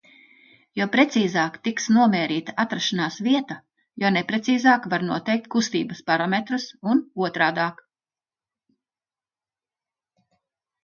Jo precīzāk tiks nomērīta atrašanās vieta, jo neprecīzāk var noteikt kustības parametrus un otrādāk.